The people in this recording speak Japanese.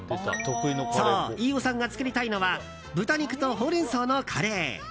そう、飯尾さんが作りたいのは豚肉とホウレンソウのカレー。